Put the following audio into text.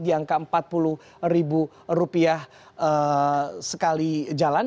di angka empat puluh sekali jalan